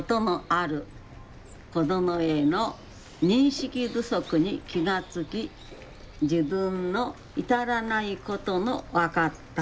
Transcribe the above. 子どもへの認識不足に気が付き自分の至らないことも分かった。